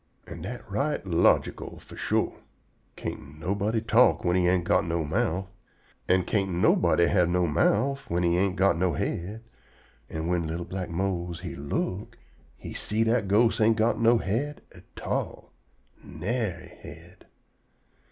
An' dat right logical fo' shore. Can't nobody talk whin he ain't got no mouf, an' can't nobody have no mouf whin he ain't got no head, an' whin li'l black Mose he look, he see dat ghost ain't go no head at all. Nary head.